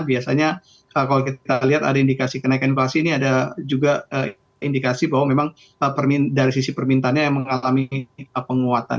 biasanya kalau kita lihat ada indikasi kenaikan inflasi ini ada juga indikasi bahwa memang dari sisi permintaannya yang mengalami penguatan